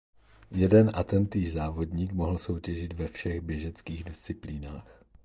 Jeden a tentýž závodník mohl soutěžit ve všech běžeckých disciplínách.